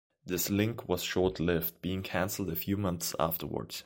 This link was short-lived, being cancelled a few months afterwards.